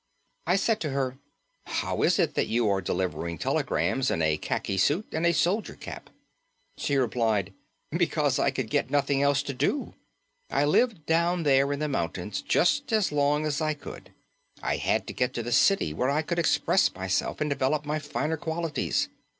I said to her: "How is it that you are delivering telegrams in a khaki suit and a soldier cap?" She replied: "Because I could get nothing else to do. I lived down there in the mountains just as long as I could. I had to get to the city where I could express myself and develop my finer qualities.